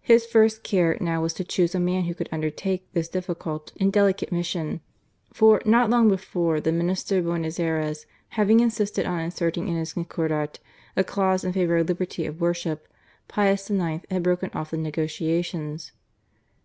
His first care now was to choose a man who could undertake this difficult THE CONCORDAT. 115 and delicate mission, for, not long before, the Minister of Buenos Ayres having insisted on in* verting in his Concordat a clause in favour of liberty of worship, Pius IX. had broken off the negotiations.